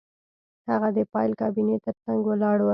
هغه د فایل کابینې ترڅنګ ولاړ و